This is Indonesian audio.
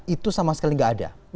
itu sama sekali nggak ada